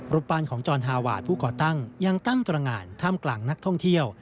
ปานของจรฮาวาสผู้ก่อตั้งยังตั้งตรงานท่ามกลางนักท่องเที่ยว